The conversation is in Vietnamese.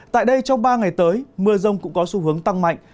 tại đây trong ba ngày tới mưa rông cũng có xu hướng tăng mạnh